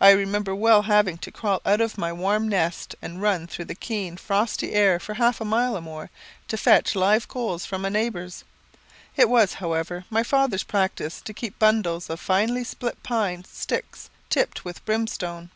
I remember well having to crawl out of my warm nest and run through the keen frosty air for half a mile or more, to fetch live coals from a neighbour's. It was, however, my father's practice to keep bundles of finely split pine sticks tipped with brimstone.